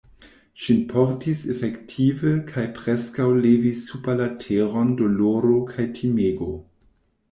Ŝin portis efektive kaj preskaŭ levis super la teron doloro kaj timego.